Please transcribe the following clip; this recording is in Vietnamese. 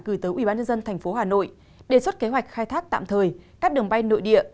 gửi tới ubnd tp hà nội đề xuất kế hoạch khai thác tạm thời các đường bay nội địa